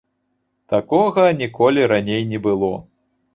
Такога ніколі раней не было.